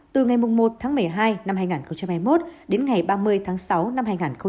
từ ngày một tháng một mươi hai năm hai nghìn hai mươi một đến ngày ba mươi tháng sáu năm hai nghìn hai mươi ba